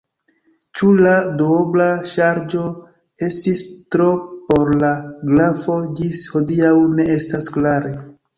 Ĉu la duobla ŝarĝo estis tro por la grafo ĝis hodiaŭ ne estas klare.